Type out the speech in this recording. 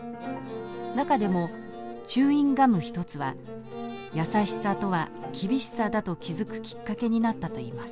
中でも「チューインガム一つ」は「優しさとは厳しさだ」と気づくきっかけになったと言います。